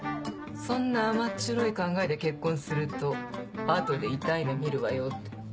そんな甘っちょろい考えで結婚すると後で痛い目見るわよって。